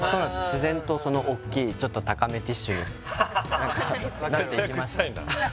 自然とそのおっきいちょっと高めティッシュになっていきました